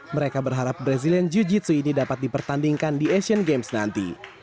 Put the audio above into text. mereka berharap brazilian jiu jitsu ini dapat dipertandingkan di asian games nanti